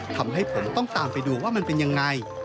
ทำให้ผมต้องตามไปดูว่ามันเป็นยังไง